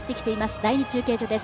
第２中継所です。